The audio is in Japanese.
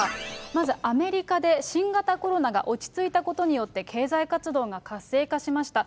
まずアメリカで新型コロナが落ち着いたことによって、経済活動が活性化しました。